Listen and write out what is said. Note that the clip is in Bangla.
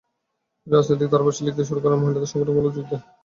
তিনি রাজনৈতিক ধারাভাষ্য লিখতে শুরু করেন ও মহিলাদের সংগঠনগুলোয় যোগ দেন।